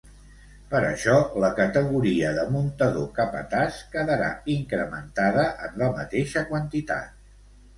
Per això la categoria de muntador-capataç, quedarà incrementada en la mateixa quantitat.